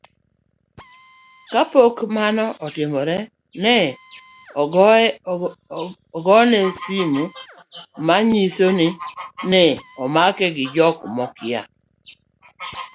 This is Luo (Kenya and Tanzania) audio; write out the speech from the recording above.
kapok mano otimore, nene ogoyonegi sim maonyisogi ni nene omake gi jok maokia